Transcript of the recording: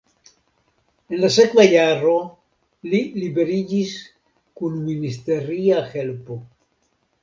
En la sekva jaro li liberiĝis kun ministeria helpo.